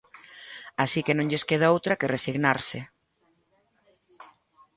Así que non lles queda outra que resignarse.